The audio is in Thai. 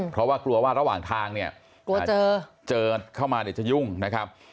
เพราะว่ากลัวว่าระหว่างทางเนี่ยกลัวเจอเข้ามาเดี๋ยวจะยุ่งนะครับ